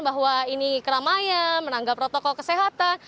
bahwa ini keramaian menanggap protokol kesehatan